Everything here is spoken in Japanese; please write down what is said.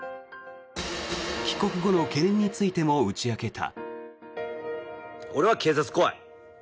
帰国後の懸念についても打ち明けた。